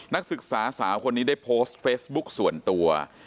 นักศึกษาสาวคนนี้ได้โพสต์เฟซบุ๊คส่วนตัว